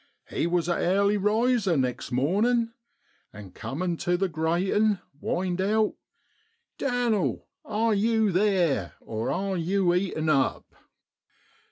He was a airly riser next mornin', and cumin' tu the gratin whined out, i Dan'l are yew theer, or are yew eaten up